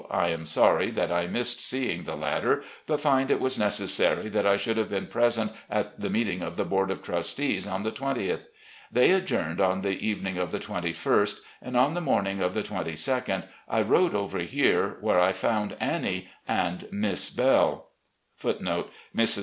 I am sorry that I missed seeing the latter, but find it was necessary that I should have been present at the meeting of the board of trustees on the 20th. They adjourned ''n the eve of the 21st, and on the morning of the 2 2d I •ode over here, where I found Annie and Miss Belle.* .